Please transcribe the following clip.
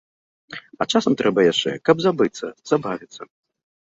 А часам трэба яшчэ, каб забыцца, забавіцца.